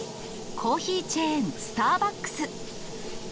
コーヒーチェーン、スターバックス。